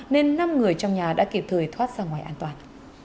nên năm người trong nhà đã kịp thời thoát ra ngoài an toàn